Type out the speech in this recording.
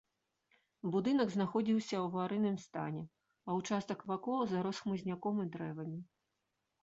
Будынак знаходзіўся ў аварыйным стане, а ўчастак вакол зарос хмызняком і дрэвамі.